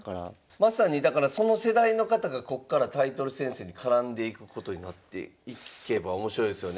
まさにだからその世代の方がこっからタイトル戦線に絡んでいくことになっていけば面白いですよね。